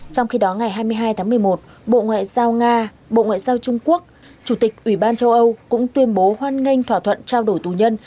trong khi đó ngày hai mươi hai tháng một mươi một bộ ngoại giao nga bộ ngoại giao trung quốc chủ tịch ủy ban châu âu cũng tuyên bố hoan nghênh thỏa thuận trao đổi tù nhân